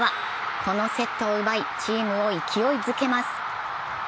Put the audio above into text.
このセットを奪いチームを勢いづけます。